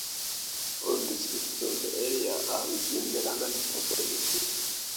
All districts of the area are within the London postal district.